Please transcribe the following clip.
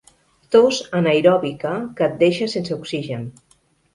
Tos anaeròbica que et deixa sense oxigen.